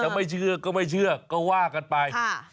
ไม่เชื่อก็ไม่เชื่อก็ว่ากันไป